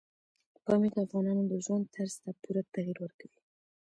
پامیر د افغانانو د ژوند طرز ته پوره تغیر ورکوي.